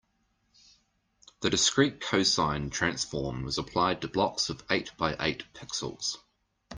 The discrete cosine transform is applied to blocks of eight by eight pixels.